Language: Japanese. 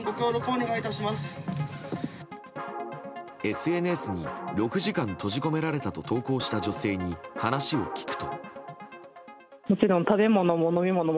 ＳＮＳに６時間閉じ込められたと投稿した女性に話を聞くと。